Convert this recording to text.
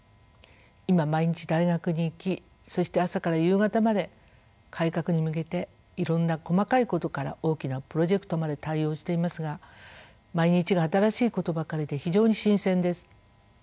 今毎日大学に行きそして朝から夕方まで改革に向けていろんな細かいことから大きなプロジェクトまで対応していますが毎日が新しいことばかりで非常に新鮮です。